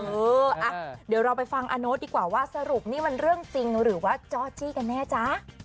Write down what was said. เออเดี๋ยวเราไปฟังอาโน๊ตดีกว่าว่าสรุปนี่มันเรื่องจริงหรือว่าจ้อจี้กันแน่จ๊ะ